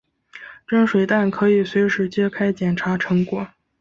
蒸水蛋可以随时揭开捡查成果。